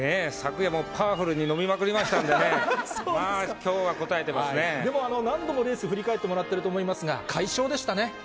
昨夜もパワフルに飲みまくりましたんでね、きょうはこたえてでも、何度もレース振り返ってもらっていると思いますが、快勝でしたね。